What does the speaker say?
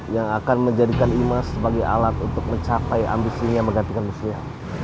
yang akan menjadikan emas sebagai alat untuk mencapai ambisinya menggantikan usia